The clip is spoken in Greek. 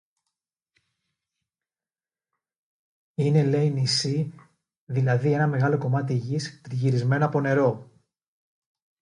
Είναι, λέει, νησί, δηλαδή ένα μεγάλο κομμάτι γης, τριγυρισμένο από νερό